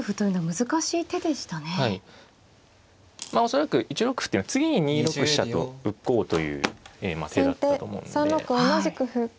恐らく１六歩っていうのは次に２六飛車と浮こうという手だったと思うんで。